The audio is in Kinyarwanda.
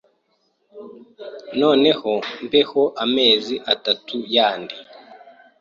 noneho mbeho amezi atatu yandi